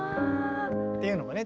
っていうのがね